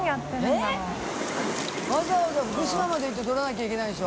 わざわざ福島まで行って取らなきゃいけないんでしょ？